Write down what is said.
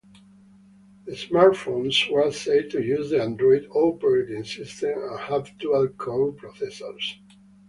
The smartphones were said to use the Android operating system and have dual-core processors.